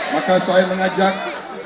maka saya mengajak